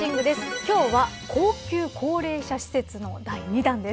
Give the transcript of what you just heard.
今日は高級高齢者施設の第２弾です。